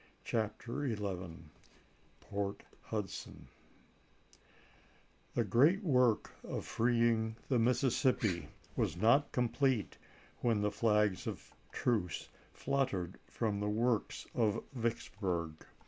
CHAPTER XI PORT HUDSON THE great work of freeing the Mississippi was chap. xi. not complete when the flags of truce fluttered from the works of Vicksburg.